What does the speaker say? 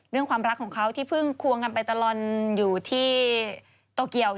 ความรักของเขาที่เพิ่งควงกันไปตลอดอยู่ที่โตเกียว